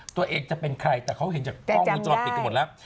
ตัวเองจะเป็นใครแต่เขาเห็นจากกล้องวงจรปิดกันหมดแล้ว